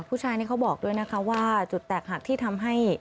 ผู้ชายนี่เขาบอกด้วยนะคะว่าจุดแตกหักที่ทำให้